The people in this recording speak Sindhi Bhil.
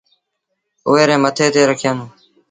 اُئي ري مٿي تي رکيآندونٚ